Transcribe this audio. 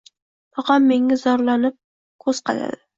Tog‘am menga zog‘lanib ko‘z qadadi: